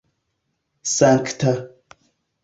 sankta